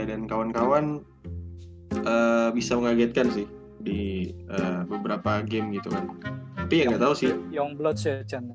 dan kawan kawan bisa mengagetkan sih di beberapa game gitu tapi enggak tahu sih